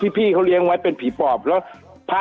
คุณติเล่าเรื่องนี้ให้ฮะ